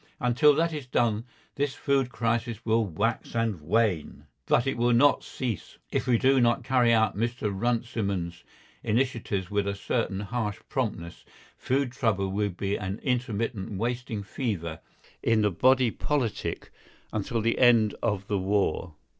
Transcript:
Until that is done this food crisis will wax and wane, but it will not cease; if we do not carry out Mr. Runciman's initiatives with a certain harsh promptness food trouble will be an intermittent wasting fever in the body politic until the end of the war.